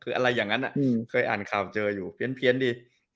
คืออะไรอย่างนั้นอ่ะเคยอ่านค่าร้อยเจออยู่เพี้ยนเพี้ยนดิ